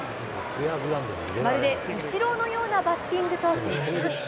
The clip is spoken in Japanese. まるでイチローのようなバッティングと絶賛。